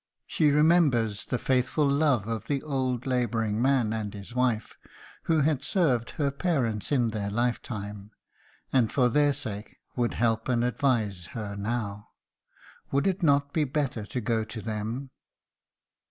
She remembers the faithful love of the old labouring man and his wife who had served her parents in their lifetime, and for their sake would help and advise her now. Would it not be better to go to them?